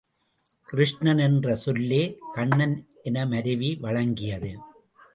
கிருஷ்ணன் என்ற சொல்லே கண்ணன் என மருவி வழங்கியது.